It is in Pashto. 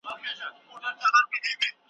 پلان د بریالیتوب بنسټ دی.